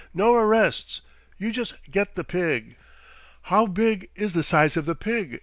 "No arrests! You just get the pig." "How big is the size of the pig?"